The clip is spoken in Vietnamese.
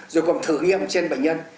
rồi còn thử nghiệm trên bệnh nhân